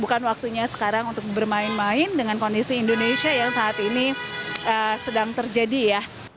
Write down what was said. bukan waktunya sekarang untuk bermain main dengan kondisi indonesia yang saat ini sedang terjadi ya